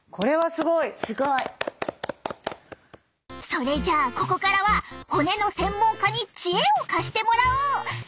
すごい！それじゃあここからは骨の専門家に知恵を貸してもらおう！